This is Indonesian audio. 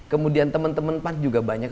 kemudian teman teman pan juga banyak